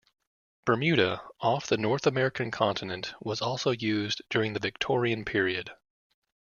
Bermuda, off the North American continent, was also used during the Victorian period.